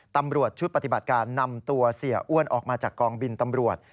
ตำรวจชุดปฏิบัติการนำตัวเสียอ้วนออกมาจากกองบินตำรวจ